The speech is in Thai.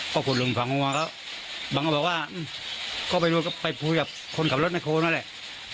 ก็ขุดหลุมฝังหัวแล้วบางเขาบอกว่าก็ไปนู่นก็ไปพูดกับคนกับรถไม่โครนั่นแหละ